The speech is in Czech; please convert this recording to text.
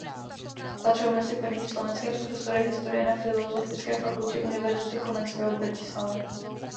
Patřil mezi první slovenské profesory historie na Filozofické fakultě Univerzity Komenského v Bratislavě.